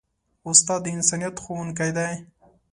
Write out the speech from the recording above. استاد د انسانیت ښوونکی دی.